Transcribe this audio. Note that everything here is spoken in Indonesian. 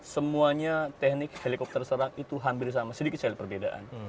semuanya teknik helikopter serak itu hampir sama sedikit sekali perbedaan